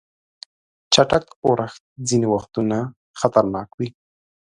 چټک اورښت ځینې وختونه خطرناک وي.